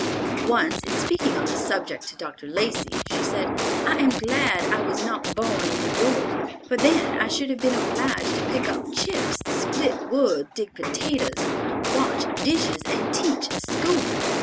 Once, in speaking on the subject to Dr. Lacey, she said, "I am glad I was not born in New York, for then I should have been obliged to pick up chips, split wood, dig potatoes, wash dishes and teach school!"